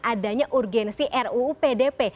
adanya urgensi ruu pdp